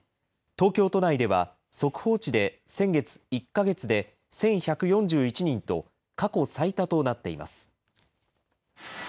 東京都内では、速報値で先月１か月で１１４１人と、過去最多となっています。